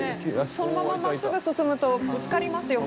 そのまままっすぐ進むとぶつかりますよ